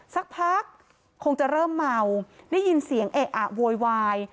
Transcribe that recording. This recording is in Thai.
สักพักคงจะเริ่มเมาได้ยินเสียงเอะอะโวยวาย